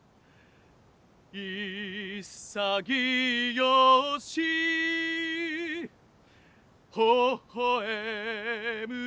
「いさぎよしほほえむ希望」